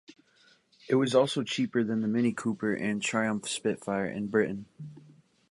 It was also cheaper than the Mini Cooper and Triumph Spitfire, in Britain.